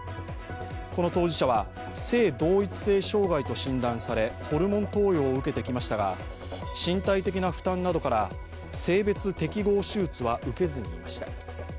この当事者は性同一性障害と診断されホルモン投与を受けてきましたが身体的な負担などから、性別適合手術を受けずにいました。